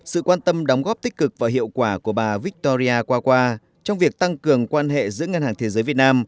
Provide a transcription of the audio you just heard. sự quan tâm đóng góp tích cực và hiệu quả của bà victoria qua trong việc tăng cường quan hệ giữa ngân hàng thế giới việt nam